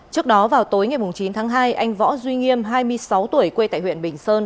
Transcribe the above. trước đó vào tối ngày chín tháng hai anh võ duy nghiêm hai mươi sáu tuổi quê tại huyện bình sơn